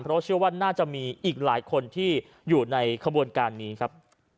เพราะเชื่อว่าน่าจะมีอีกหลายคนที่อยู่ในขบวนการนี้ครับ